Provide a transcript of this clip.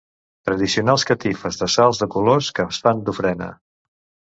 Tradicionals catifes de sals de colors que es fan d'ofrena.